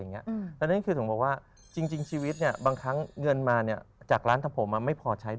อย่างนี้แล้วนั้นคือบอกว่าจริงชีวิตเนี่ยบางครั้งเงินมาเนี่ยจากร้านทำผมไม่พอใช้